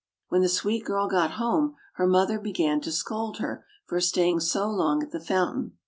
When the sweet girl got home her mother began to scold her for staying so long at the fountain.